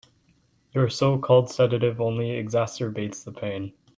Your so-called sedative only exacerbates the pain.